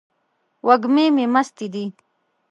وږمې هم مستې دي